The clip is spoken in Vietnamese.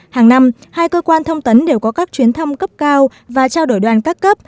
hàng năm hai cơ quan thông tấn đều có các chuyến thăm cấp cao và trao đổi đoàn các cấp